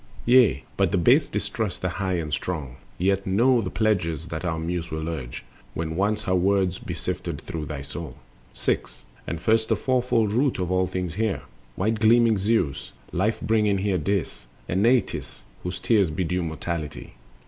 Yea, but the base distrust the High and Strong; Yet know the pledges that our Muse will urge, When once her words be sifted through thy soul. The Elements. 6. And first the fourfold root of all things hear!— White gleaming Zeus, life bringing Here, Dis, And Nestis whose tears bedew mortality.